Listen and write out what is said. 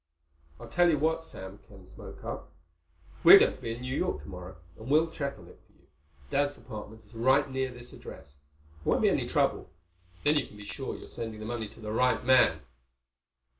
"I'll tell you what, Sam." Ken spoke up. "We're going to be in New York tomorrow and we'll check on it for you. Dad's apartment is right near this address. It won't be any trouble. Then you can be sure you're sending the money to the right man."